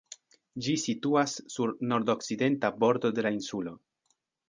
Ĝi situas sur nordokcidenta bordo de la insulo.